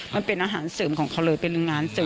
มันเป็นอาหารเสริมของเขาเลยเป็นงานเสริม